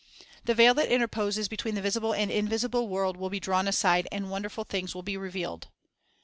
The veil that interposes between the visible and the invisible world will be drawn aside, and wonderful things will be revealed.